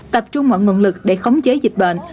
tập trung mọi nguồn lực để khống chế dịch bệnh